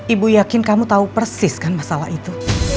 ibu yakin kamu tahu persis kan masalah itu